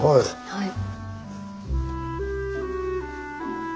はい。